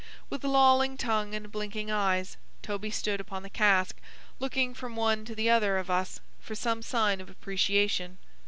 With lolling tongue and blinking eyes, Toby stood upon the cask, looking from one to the other of us for some sign of appreciation.